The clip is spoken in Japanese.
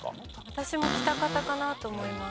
私も喜多方かなと思います。